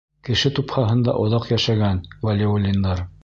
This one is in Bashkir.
Кеше тупһаһында оҙаҡ йәшәгән Вәлиуллиндар.